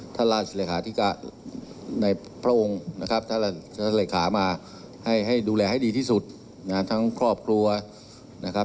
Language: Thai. ท่านท่านทรงติดตามตลอดเวลานะครับ